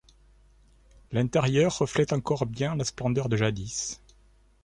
L'intérieur reflète encore bien la splendeur de jadis.